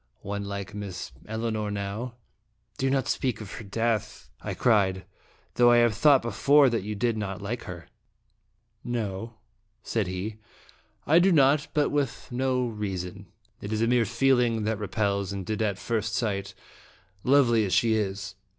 One like Miss Elinor now " "Do not speak of her death," I cried; "though I have thought before that you did not like her." " No," said he, " I do not, but with no rea son. It is a mere feeling that repels, and did at first sight, lovely as she is.